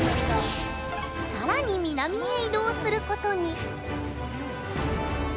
さらに南へ移動することに。